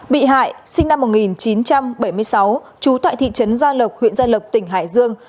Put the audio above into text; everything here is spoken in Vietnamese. bị hại sinh năm một nghìn chín trăm bảy mươi sáu trú tại thị trấn gia lộc huyện gia lộc tỉnh hải dương